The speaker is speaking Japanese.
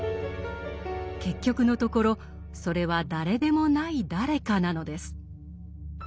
結局のところそれは誰でもない誰かなのです。